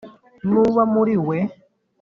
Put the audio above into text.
N’uba muri we